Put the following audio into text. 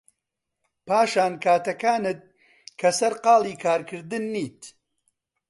پاشان کاتەکانت کە سەرقاڵی کارکردن نیت